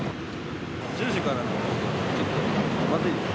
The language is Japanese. １０時からなんですけど、ちょっとまずいです。